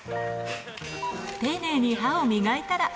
丁寧に歯を磨いたら。